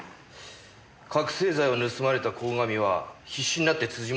覚せい剤を盗まれた鴻上は必死になって本を捜してた。